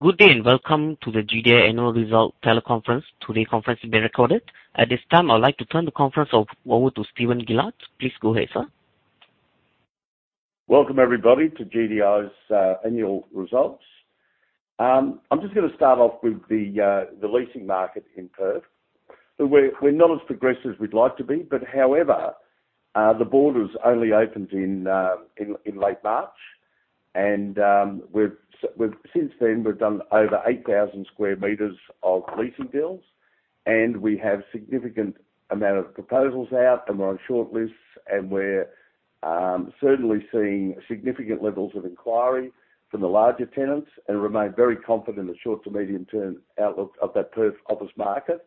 Good day and welcome to the GDI annual result teleconference. Today's conference is being recorded. At this time, I'd like to turn the conference over to Stephen Burns. Please go ahead, sir. Welcome everybody to GDI's annual results. I'm just gonna start off with the leasing market in Perth. We're not as progressive as we'd like to be, but however, the borders only opened in late March. Since then, we've done over 8,000 square meters of leasing deals, and we have significant amount of proposals out, and we're on shortlists, and we're certainly seeing significant levels of inquiry from the larger tenants and remain very confident in the short to medium-term outlook of that Perth office market.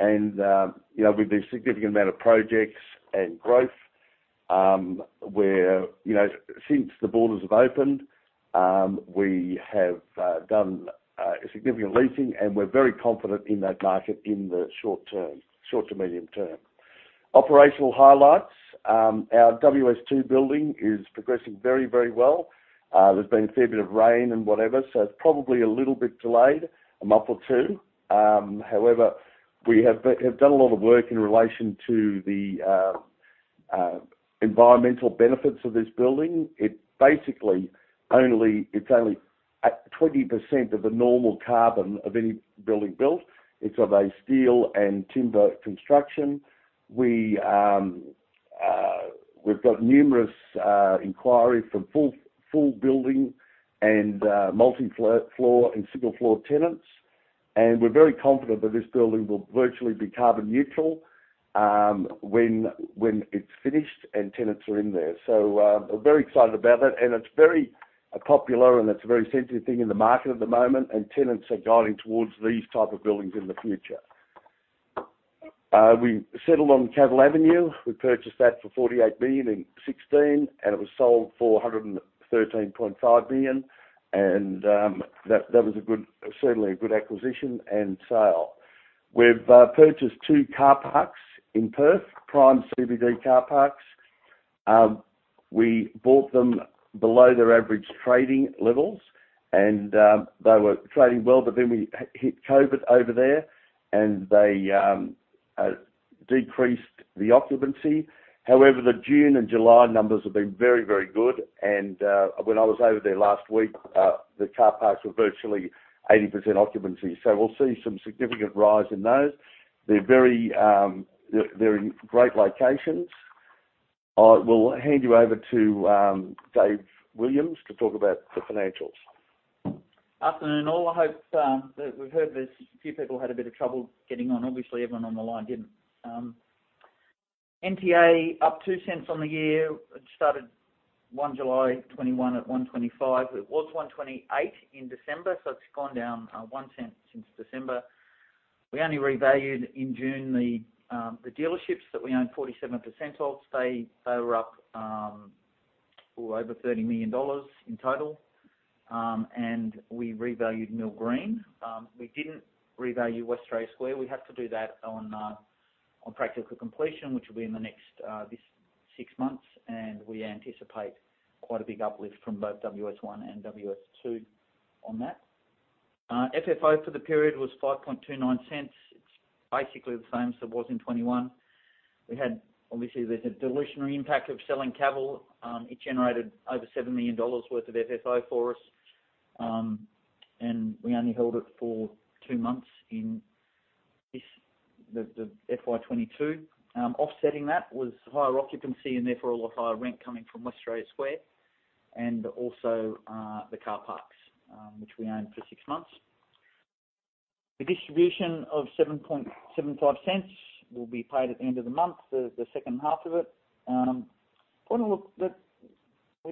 You know, with the significant amount of projects and growth, You know, since the borders have opened, we have done significant leasing, and we're very confident in that market in the short-term, short to medium-term. Operational highlights, our WS2 building is progressing very well. There's been a fair bit of rain and whatever, so it's probably a little bit delayed, a month or two. However, we have done a lot of work in relation to the environmental benefits of this building. It's only at 20% of the normal carbon of any building built. It's of a steel and timber construction. We've got numerous inquiries from full building and multi-floor and single floor tenants. We're very confident that this building will virtually be carbon neutral when it's finished and tenants are in there. We're very excited about that, and it's very popular, and it's a very sensitive thing in the market at the moment, and tenants are guiding towards these type of buildings in the future. We settled on Cavill Avenue. We purchased that for 48 million in 2016, and it was sold for 113.5 million. That was certainly a good acquisition and sale. We've purchased two car parks in Perth, prime CBD car parks. We bought them below their average trading levels and they were trading well, but then we hit COVID over there, and they decreased the occupancy. However, the June and July numbers have been very, very good. When I was over there last week, the car parks were virtually 80% occupancy. We'll see some significant rise in those. They're in great locations. I will hand you over to David Williams to talk about the financials. Afternoon, all. I hope that we've heard there's a few people had a bit of trouble getting on. Obviously, everyone on the line didn't. NTA up 0.02 on the year. It started 1 July 2021 at 1.25. It was 1.28 in December, so it's gone down 0.01 since December. We only revalued in June the dealerships that we own 47% of. They were up over 30 million dollars in total. We revalued Mill Green. We didn't revalue West Australia Square. We have to do that on practical completion, which will be in the next six months. We anticipate quite a big uplift from both WS1 and WS2 on that. FFO for the period was 0.0529. It's basically the same as it was in 2021. Obviously, there's a dilutive impact of selling Cavill. It generated over 7 million dollars worth of FFO for us, and we only held it for two months in the FY 2022. Offsetting that was higher occupancy and therefore a lot higher rent coming from Westralia Square and also the car parks, which we owned for six months. The distribution of 0.0775 will be paid at the end of the month, the second half of it. When you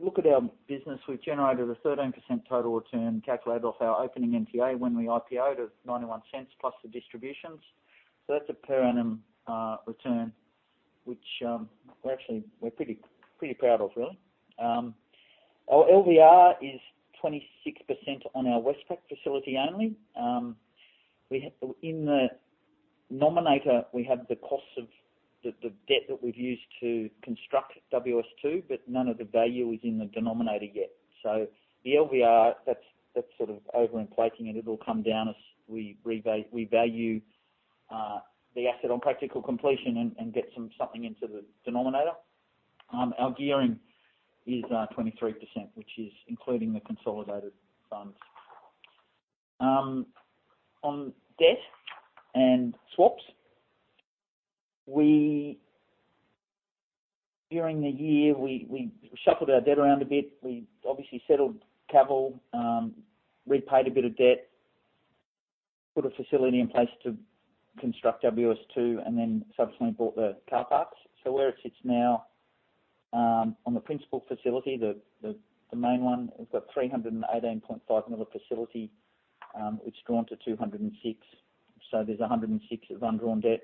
look at our business, we've generated a 13% total return calculated off our opening NTA when we IPOed of 0.91 plus the distributions. That's a per annum return, which we're actually pretty proud of, really. Our LVR is 26% on our Westpac facility only. In the numerator, we have the cost of the debt that we've used to construct WS2, but none of the value is in the denominator yet. The LVR, that's sort of over-inflating, and it'll come down as we value the asset on practical completion and get something into the denominator. Our gearing is 23%, which is including the consolidated funds. On debt and swaps, during the year, we shuffled our debt around a bit. We obviously settled Cavill, repaid a bit of debt, put a facility in place to construct WS2, and then subsequently bought the car parks. Where it sits now, on the principal facility, the main one, we've got 318.5 million facility, it's drawn to 206 million. There's 106 of undrawn debt.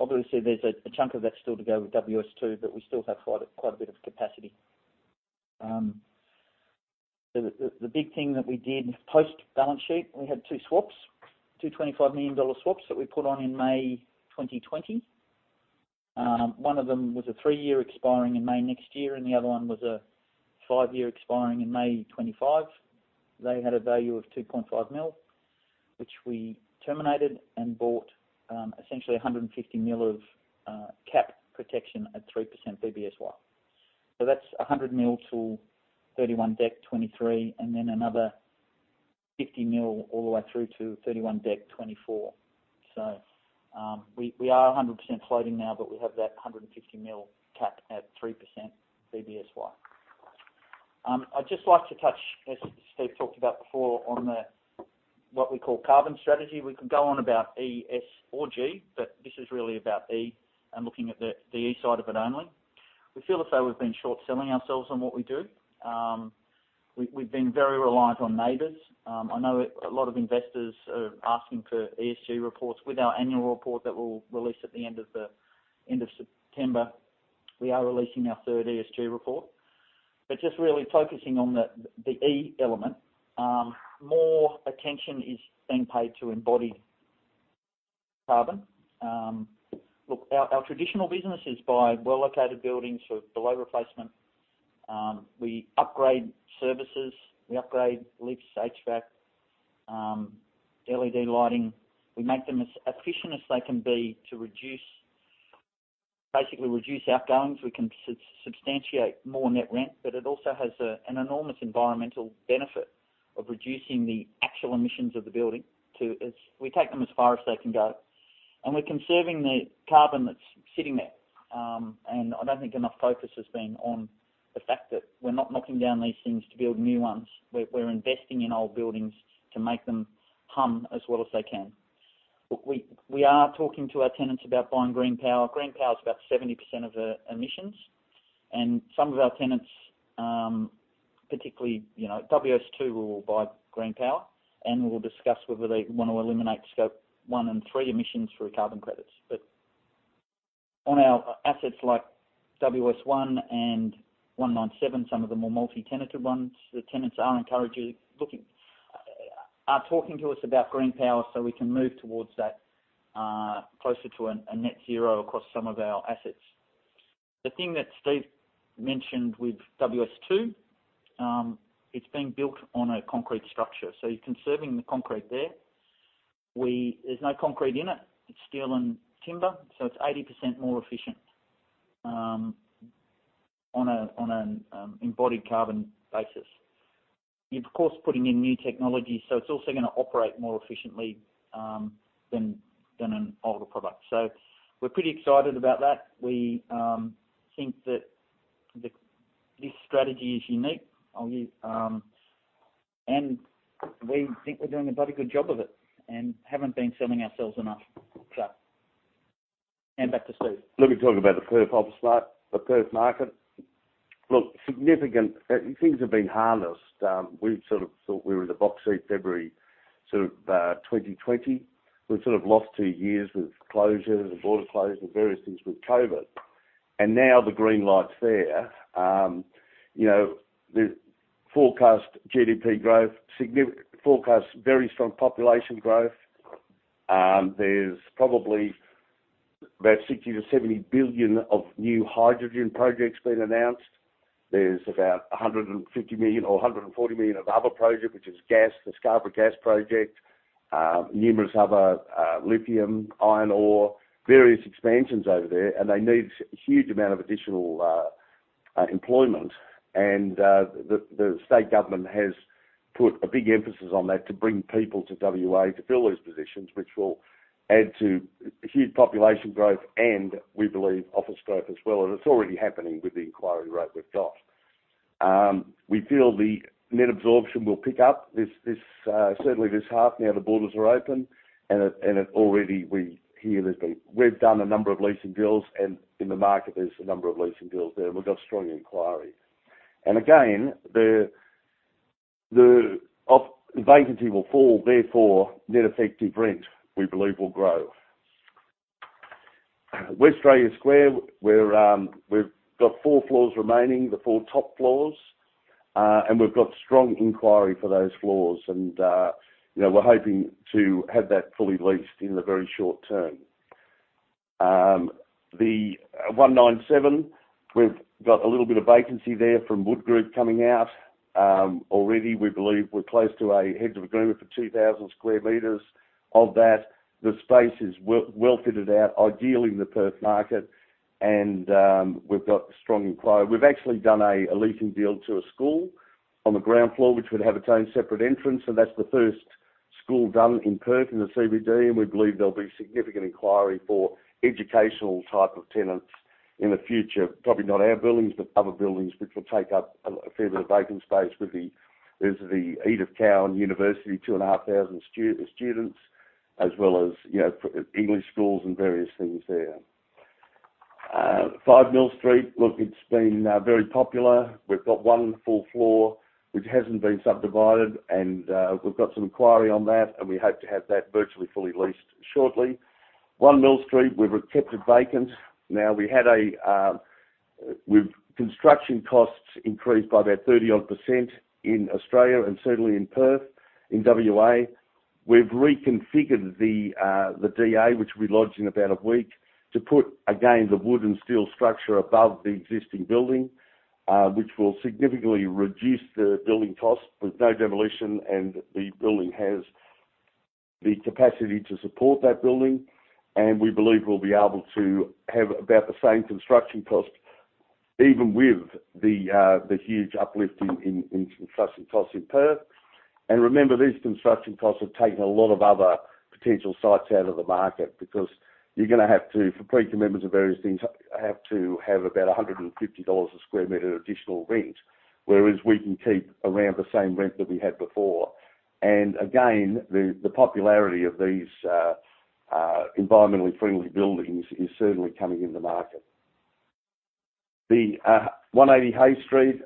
Obviously, there's a chunk of that still to go with WS2, but we still have quite a bit of capacity. The big thing that we did post balance sheet, we had two swaps, two 25 million dollar swaps that we put on in May 2020. One of them was a 3-year expiring in May next year, and the other one was a 5-year expiring in May 2025. They had a value of 2.5 million, which we terminated and bought essentially 150 million of cap protection at 3% BBSY. That's 100 million till 31 December 2023, and then another 50 million all the way through to 31 December 2024. We are 100% floating now, but we have that 150 million cap at 3% BBSY. I'd just like to touch, as Steve talked about before, on what we call carbon strategy. We could go on about ESG, but this is really about E and looking at the E side of it only. We feel as though we've been short-selling ourselves on what we do. We've been very reliant on NABERS. I know a lot of investors are asking for ESG reports. With our annual report that we'll release at the end of September, we are releasing our third ESG report. Just really focusing on the E element, more attention is being paid to embodied carbon. Look, our traditional business is buy well-located buildings for below replacement. We upgrade services, we upgrade lifts, HVAC, LED lighting. We make them as efficient as they can be to basically reduce outgoings. We can substantiate more net rent, but it also has an enormous environmental benefit of reducing the actual emissions of the building. We take them as far as they can go. We're conserving the carbon that's sitting there. I don't think enough focus has been on the fact that we're not knocking down these things to build new ones. We're investing in old buildings to make them hum as well as they can. We are talking to our tenants about buying green power. Green power is about 70% of the emissions. Some of our tenants, particularly, you know, WS2 will buy green power, and we'll discuss whether they want to eliminate scope one and three emissions through carbon credits. On our assets like WS1 and One Nine Seven, some of the more multi-tenanted ones, the tenants are talking to us about green power so we can move towards that, closer to a net zero across some of our assets. The thing that Steve mentioned with WS2, it's being built on a concrete structure, so you're conserving the concrete there. There's no concrete in it's steel and timber, so it's 80% more efficient on an embodied carbon basis. You're of course putting in new technology, so it's also gonna operate more efficiently than an older product. We're pretty excited about that. We think that this strategy is unique. I'll give. We think we're doing a bloody good job of it and haven't been selling ourselves enough. Hand back to Steve. Let me talk about the Perth office site, the Perth market. Look, things have been harnessed. We've sort of thought we were in the box seat February, sort of, 2020. We've sort of lost two years with closures and border closures and various things with COVID. Now the green light's there. You know, the forecast GDP growth, forecast very strong population growth. There's probably about 60-70 billion of new hydrogen projects being announced. There's about 150 million or 140 million of other project, which is gas, the Scarborough Energy Project. Numerous other lithium, iron ore, various expansions over there, and they need huge amount of additional employment. The state government has put a big emphasis on that to bring people to WA to fill those positions, which will add to huge population growth and we believe office growth as well. It's already happening with the inquiry rate we've got. We feel the net absorption will pick up this half now the borders are open. It already, we hear, there's been. We've done a number of leasing deals and in the market there's a number of leasing deals there. We've got strong inquiry. Again, the office vacancy will fall, therefore, net effective rent, we believe, will grow. Westralia Square, we've got four floors remaining, the four top floors, and we've got strong inquiry for those floors and, you know, we're hoping to have that fully leased in the very short term. The 197, we've got a little bit of vacancy there from Wood coming out. Already, we believe we're close to a heads of agreement for 2,000 sq m. Of that, the space is well fitted out, ideally in the Perth market, and we've got strong inquiry. We've actually done a leasing deal to a school on the ground floor, which would have its own separate entrance, and that's the first school done in Perth in the CBD, and we believe there'll be significant inquiry for educational type of tenants in the future. Probably not our buildings, but other buildings which will take up a fair bit of vacant space with the Edith Cowan University, 2,500 students, as well as you know for English schools and various things there. 5 Mill Street. Look, it's been very popular. We've got one full floor which hasn't been subdivided, and we've got some inquiry on that, and we hope to have that virtually fully leased shortly. 1 Mill Street, we've kept it vacant. Now, with construction costs increased by about 30-odd% in Australia and certainly in Perth, in WA. We've reconfigured the DA, which will be lodged in about a week, to put again the wood and steel structure above the existing building, which will significantly reduce the building cost. There's no demolition, and the building has the capacity to support that building, and we believe we'll be able to have about the same construction cost even with the huge uplift in construction costs in Perth. Remember, these construction costs have taken a lot of other potential sites out of the market because you're gonna have to, for pre-commitments and various things, have to have about 150 dollars a square meter additional rent, whereas we can keep around the same rent that we had before. Again, the popularity of these environmentally friendly buildings is certainly coming in the market. 180 Hay Street,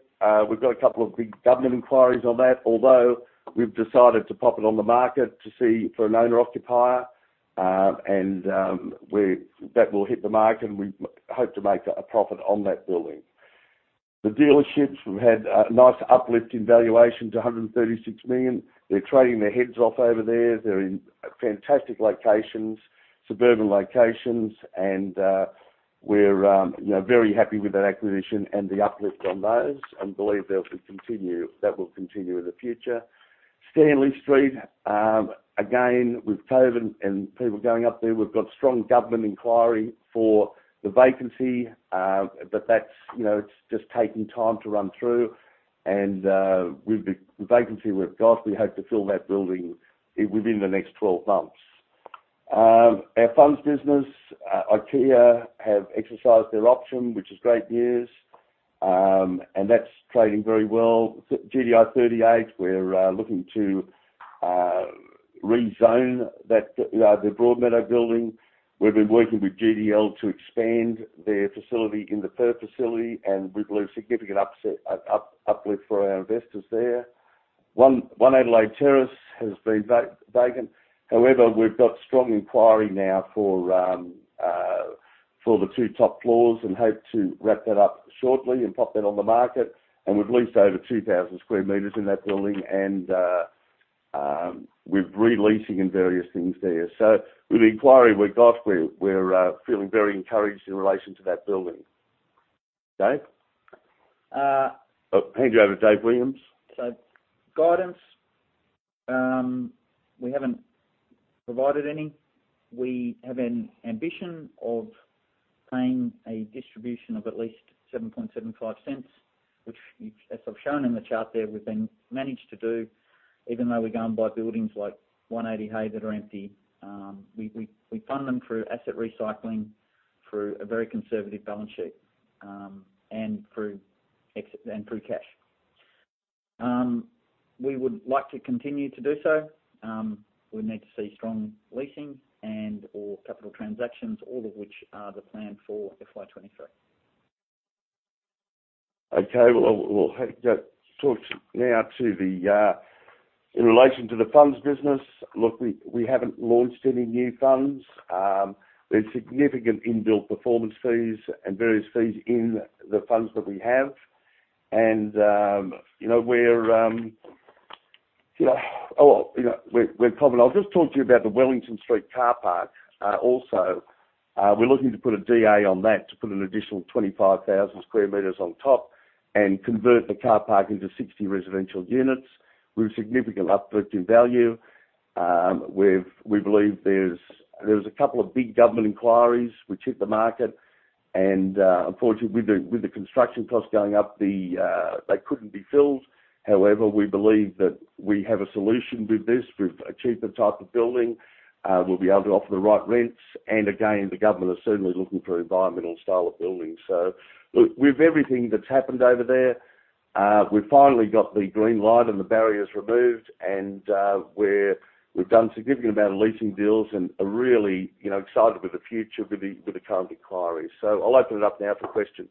we've got a couple of big government inquiries on that, although we've decided to pop it on the market to see for an owner-occupier. That will hit the market, and we hope to make a profit on that building. The dealerships, we've had a nice uplift in valuation to 136 million. They're trading their heads off over there. They're in fantastic locations, suburban locations, and we're very happy with that acquisition and the uplift on those and believe they'll continue. That will continue in the future. Stanley Street, again, we've touted and people going up there. We've got strong government inquiry for the vacancy, but that's just taking time to run through. With the vacancy we've got, we hope to fill that building within the next 12 months. Our funds business, IKEA have exercised their option, which is great news, and that's trading very well. GDI 38, we're looking to rezone that the Broadmeadow building. We've been working with GDL to expand their facility in the Perth facility, and we believe significant uplift for our investors there. 111 Adelaide Terrace has been vacant. However, we've got strong inquiry now for the two top floors and hope to wrap that up shortly and pop that on the market, and we've leased over 2,000 square meters in that building, and we're re-leasing and various things there. With the inquiry we've got, we're feeling very encouraged in relation to that building. Dave? I'll hand you over to David Williams. Guidance, we haven't provided any. We have an ambition of paying a distribution of at least 0.0775, which as I've shown in the chart there, we've managed to do, even though we've gone by buildings like 180 Hay that are empty. We fund them through asset recycling, through a very conservative balance sheet, and through cash. We would like to continue to do so. We need to see strong leasing and/or capital transactions, all of which are the plan for FY23. Okay. Well, we'll talk now in relation to the funds business. Look, we haven't launched any new funds. There's significant inbuilt performance fees and various fees in the funds that we have. You know, we're confident. I'll just talk to you about the Wellington Street car park. We're looking to put a DA on that to put an additional 25,000 square meters on top and convert the car park into 60 residential units with significant uplift in value. We believe there's a couple of big government inquiries which hit the market, and unfortunately, with the construction costs going up, they couldn't be filled. However, we believe that we have a solution with this. We've achieved the type of building. We'll be able to offer the right rents. Again, the government is certainly looking for environmental style of buildings. Look, with everything that's happened over there, we finally got the green light and the barriers removed, and we've done significant amount of leasing deals and are really, you know, excited with the future with the current inquiries. I'll open it up now for questions.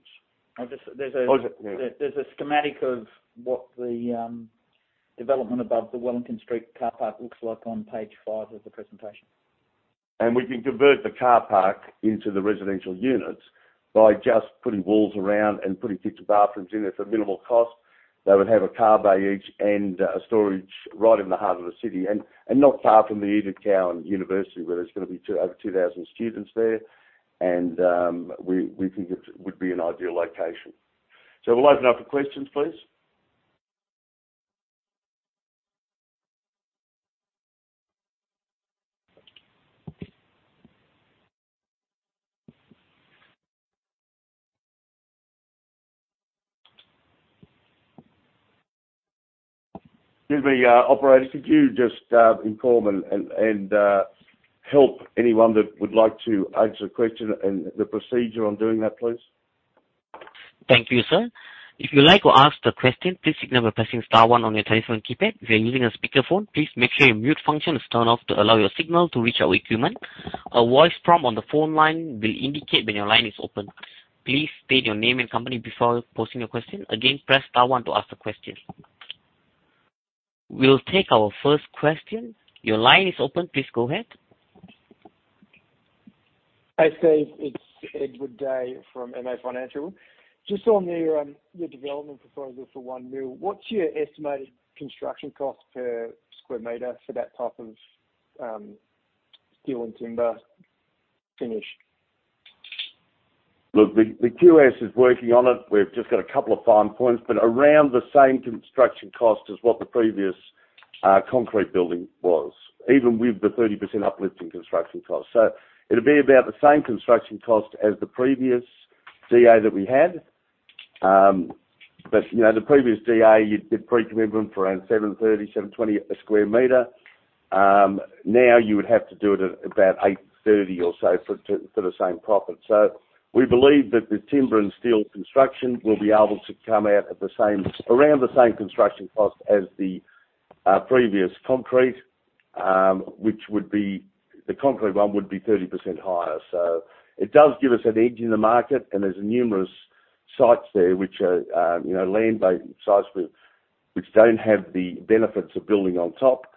I'll just. There's a schematic of what the development above the Wellington Street car park looks like on page five of the presentation. We can convert the car park into the residential units by just putting walls around and putting kitchen bathrooms in it at minimal cost. They would have a car bay each and storage right in the heart of the city and not far from the Edith Cowan University, where there's gonna be over 2,000 students there. We think it would be an ideal location. We'll open up for questions, please. Excuse me, operator, could you just inform and help anyone that would like to ask a question and the procedure on doing that, please? Thank you, sir. If you'd like to ask the question, please signal by pressing star one on your telephone keypad. If you're using a speaker phone, please make sure your mute function is turned off to allow your signal to reach our equipment. A voice prompt on the phone line will indicate when your line is open. Please state your name and company before posing your question. Again, press star one to ask the question. We'll take our first question. Your line is open. Please go ahead. Hey, Steve, it's Edward Day from MA Financial. Just on the development proposal for One Mill, what's your estimated construction cost per square meter for that type of steel and timber finish? Look, the QS is working on it. We've just got a couple of fine points, but around the same construction cost as what the previous concrete building was, even with the 30% uplift in construction cost. It'll be about the same construction cost as the previous DA that we had. You know, the previous DA, you did pre-commitment for around 730, 720 a square meter. Now you would have to do it at about 830 or so for the same profit. We believe that the timber and steel construction will be able to come out at the same, around the same construction cost as the previous concrete, which would be 30% higher. The concrete one would be 30% higher. It does give us an edge in the market, and there's numerous sites there which are, you know, land-based sites which don't have the benefits of building on top,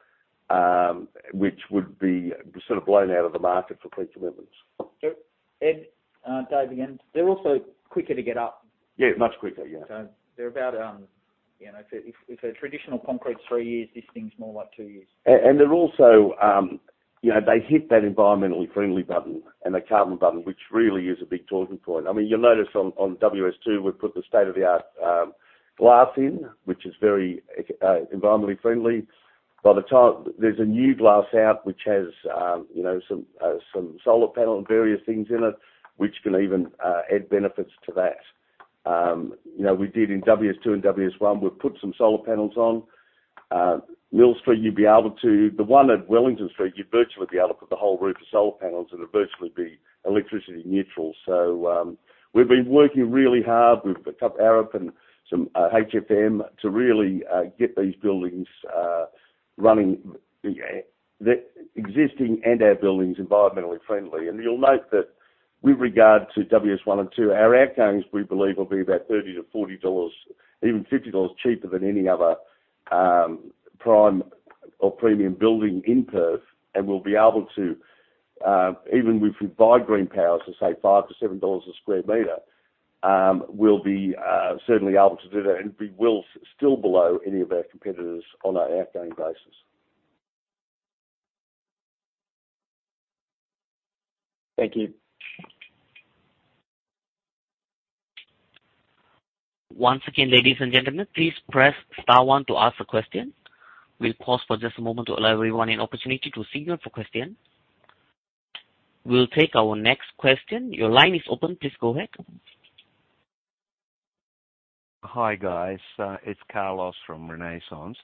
which would be sort of blown out of the market for pre-commitments. Sure. Ed, Dave again. They're also quicker to get up., much quicker.. They're about, you know, if a traditional concrete's three years, this thing's more like two years. They're also, you know, they hit that environmentally friendly button and the carbon button, which really is a big talking point. I mean, you'll notice on WS2 we've put the state-of-the-art glass in, which is very environmentally friendly. By the time there's a new glass out which has, you know, some solar panel and various things in it which can even add benefits to that. You know, we did in WS2 and WS1, we've put some solar panels on. Mill Street you'd be able to. The one at Wellington Street, you'd virtually be able to put the whole roof of solar panels, and it'd virtually be electricity neutral. We've been working really hard. We've picked up Arup and some HFM to really get these buildings running, you know, the existing and our buildings environmentally friendly. You'll note that with regard to WS 1 and 2, our outgoings, we believe, will be about 30-40 dollars, even 50 dollars cheaper than any other prime or premium building in Perth. We'll be able to even if we buy green power for, say, 5-7 dollars a square meter, we'll be certainly able to do that, and we will still be below any of our competitors on an outgoings basis. Thank you. Once again, ladies and gentlemen, please press star one to ask a question. We'll pause for just a moment to allow everyone an opportunity to signal for question. We'll take our next question. Your line is open. Please go ahead. Hi, guys. It's Carlos from Renaissance.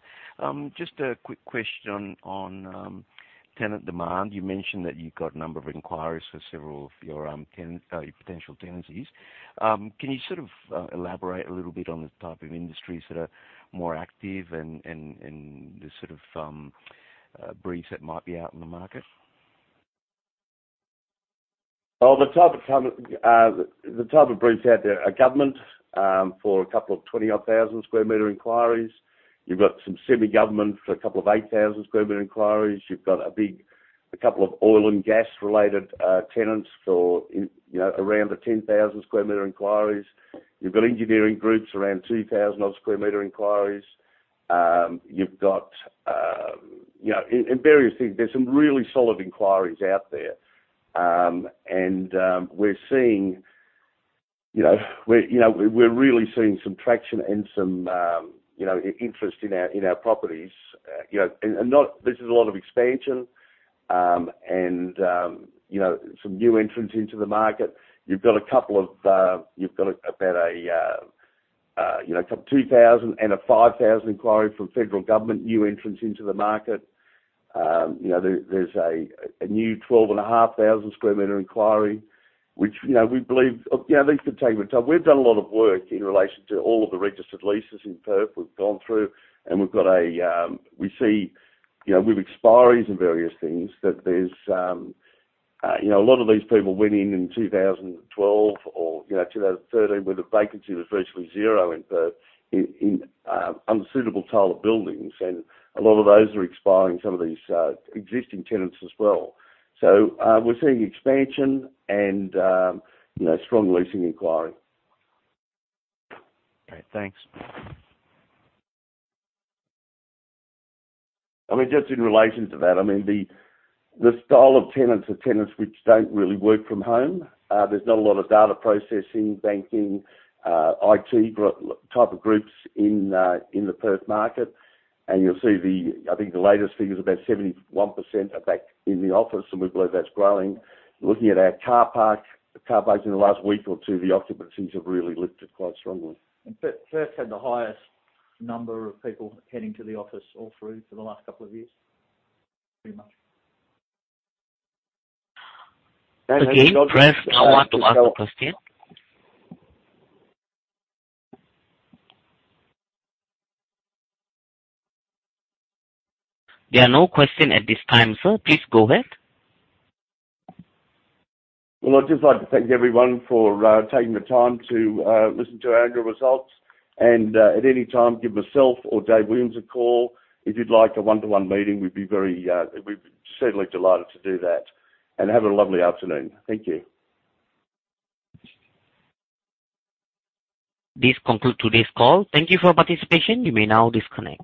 Just a quick question on tenant demand. You mentioned that you got a number of inquiries for several of your potential tenancies. Can you sort of elaborate a little bit on the type of industries that are more active and the sort of briefs that might be out in the market? The type of briefs out there are government for a couple of 20,000 sq m inquiries. You've got some semi-government for a couple of 8,000 sq m inquiries. You've got a big couple of oil and gas-related tenants, you know, around the 10,000 sq m inquiries. You've got engineering groups around 2,000 sq m inquiries. You've got, you know, and various things. There's some really solid inquiries out there. We're seeing, you know, we're really seeing some traction and some, you know, interest in our properties. You know, this is a lot of expansion, you know, some new entrants into the market. You've got about a couple 2,000 and a 5,000 inquiry from federal government, new entrants into the market. You know, there's a new 12,500 square meter inquiry, which, you know, we believe, you know, these could take their time. We've done a lot of work in relation to all of the registered leases in Perth. We've gone through, and we've got a, we see, you know, with expiries and various things that there's, you know, a lot of these people went in in 2012 or, you know, 2013, where the vacancy was virtually zero in Perth in unsuitable taller buildings. A lot of those are expiring, some of these existing tenants as well. We're seeing expansion and, you know, strong leasing inquiry. Great. Thanks. I mean, just in relation to that, I mean, the style of tenants are tenants which don't really work from home. There's not a lot of data processing, banking, IT type of groups in the Perth market. You'll see, I think the latest figure is about 71% are back in the office, and we believe that's growing. Looking at our car park, the car parks in the last week or two, the occupancies have really lifted quite strongly. Perth had the highest number of people heading to the office all through for the last couple of years, pretty much. Again, press star one to ask a question. There are no questions at this time, sir. Please go ahead. Well, I'd just like to thank everyone for taking the time to listen to our annual results. At any time, give myself or David Williams a call. If you'd like a one-to-one meeting, we'd be certainly delighted to do that. Have a lovely afternoon. Thank you. This concludes today's call. Thank you for your participation. You may now disconnect.